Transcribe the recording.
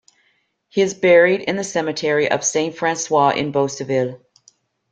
He is buried in the cemetery of Saint-Francois in Beauceville.